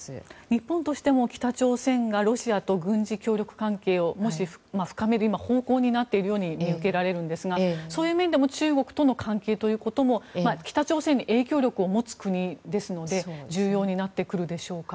日本としても北朝鮮がロシアと軍事協力関係を深める方向になっているように見受けられるんですがそういう面でも中国との関係ということも北朝鮮に影響力を持つ国でありますので重要になってくるでしょうか。